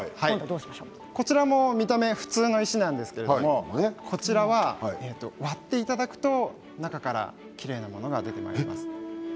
こちら見た目は普通の石なんですが割っていただくと中からきれいなものが出てきます。